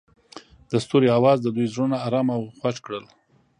د ستوري اواز د دوی زړونه ارامه او خوښ کړل.